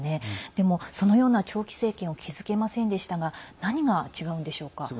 でも、そのような長期政権を築けませんでしたが何が違うんでしょうか。